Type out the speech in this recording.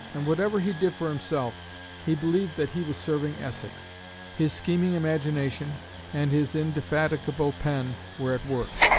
And whatever he did for himself, he believed that he was serving Essex. His scheming imagination and his indefatigable pen were at work.